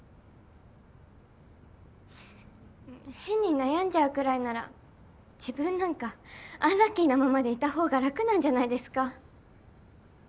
変に悩んじゃうくらいなら自分なんかアンラッキーなままでいた方が楽なんじゃないですか。